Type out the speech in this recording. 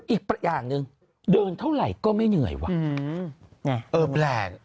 อีกอย่างหนึ่งเดินเท่าไหร่ก็ไม่เหนื่อยว่ะเออแปลก